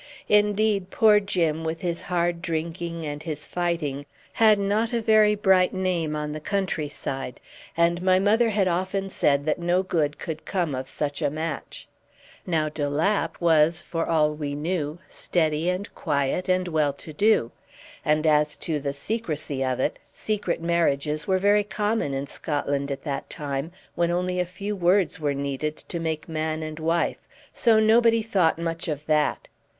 Indeed, poor Jim, with his hard drinking and his fighting, had not a very bright name on the country side, and my mother had often said that no good could come of such a match. Now, de Lapp was, for all we knew, steady and quiet and well to do. And as to the secrecy of it, secret marriages were very common in Scotland at that time, when only a few words were needed to make man and wife, so nobody thought much of that.